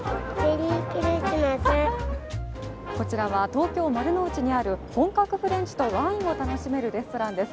こちらは東京丸の内にある本格フレンチとワインを楽しめるレストランです。